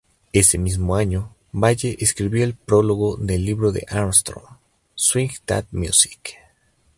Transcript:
Ese mismo año Vallee escribió el prólogo del libro de Armstrong "Swing That Music".